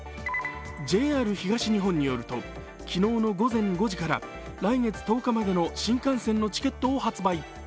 ＪＲ東日本によりますと昨日の午前５時から来月１０日までの新幹線のチケットを発売。